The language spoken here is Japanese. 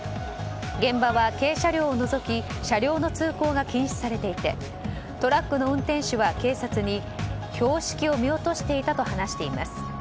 現場は軽車両を除き車両の通行が禁止されていてトラックの運転手は警察に標識を見落としていたと話しています。